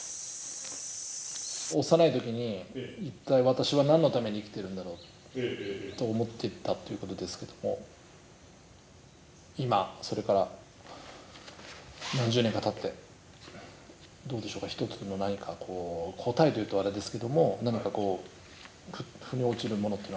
幼い時に一体私は何のために生きてるんだろうと思ってたということですけども今それから何十年かたってどうでしょうか一つの何かこう答えというとあれですけども何かこう腑に落ちるものというのはありますか？